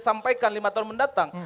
sampaikan lima tahun mendatang